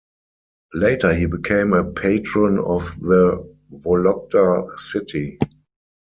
Later he became a patron of the Vologda city.